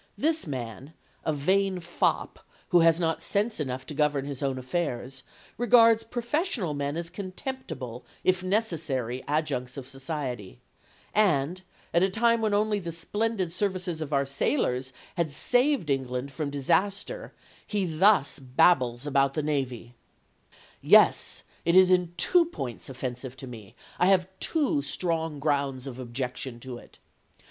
This man, a vain fop who has not sense enough to govern his own affairs, regards professional men as contemptible, if necessary, adjuncts of society, and, at a time when only the splendid services of our sailors had saved England from disaster he thus babbles about the navy "Yes; it is in two points offensive to me, I have two strong grounds of objection to it.